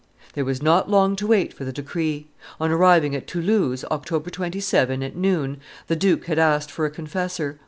There was not long to wait for the decree. On arriving at Toulouse, October 27, at noon, the duke had asked for a confessor.